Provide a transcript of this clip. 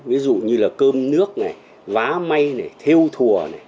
ví dụ như là cơm nước này vá may này theo thùa này